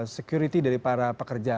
security dari para pekerja